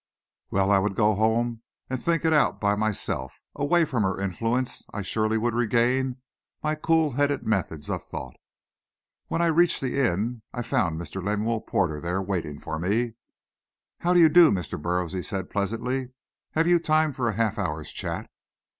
Well, I would go home and think it out by myself. Away from her influence I surely would regain my cool headed methods of thought. When I reached the inn, I found Mr. Lemuel Porter there waiting for me. "How do you do, Mr. Burroughs?" he said pleasantly. "Have you time for a half hour's chat?"